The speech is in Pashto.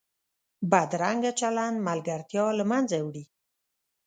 بدرنګه چلند ملګرتیا له منځه وړي